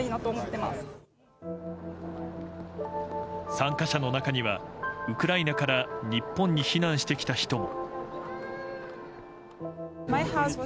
参加者の中にはウクライナから日本に避難してきた人も。